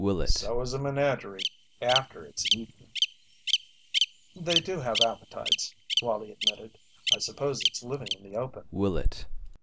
"So is a menagerie after it's eaten." "They do have appetites," Wallie admitted. "I suppose it's living in the open."